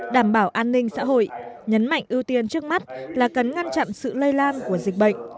đảm bảo an ninh xã hội nhấn mạnh ưu tiên trước mắt là cần ngăn chặn sự lây lan của dịch bệnh